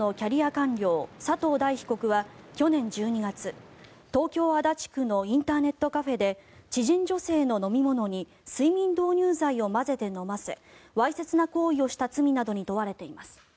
官僚佐藤大被告は去年１２月東京・足立区のインターネットカフェで知人女性の飲み物に睡眠導入剤を混ぜて飲ませわいせつな行為をした罪などに問われています。